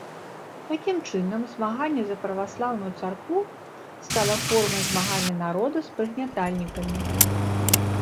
Такім чынам, змаганне за праваслаўную царкву стала формай змагання народа з прыгнятальнікамі.